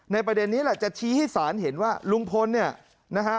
ประเด็นนี้แหละจะชี้ให้สารเห็นว่าลุงพลเนี่ยนะฮะ